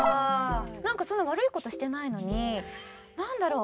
なんかそんな悪い事してないのになんだろう？